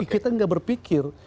kita nggak berpikir